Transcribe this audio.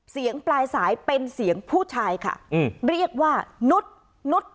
เสียงปลายสายเป็นเสียงผู้ชายค่ะเรียกว่านุษย์